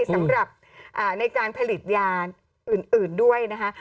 สำหรับในการผลิตยาอื่นด้วยนะคะ